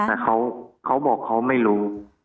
แต่เขาบอกเขาไม่รู้